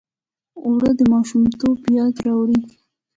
اوړه د ماشومتوب یاد راوړي